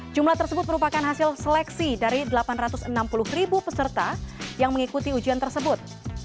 jumlah tersebut merupakan hasil seleksi dari delapan ratus enam puluh ribu peserta yang mengikuti ujian tersebut